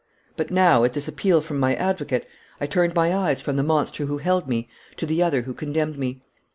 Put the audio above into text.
But now, at this appeal from my advocate, I turned my eyes from the monster who held me to the other who condemned me.